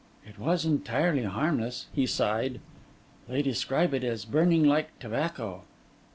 'It was entirely harmless,' he sighed. 'They describe it as burning like tobacco.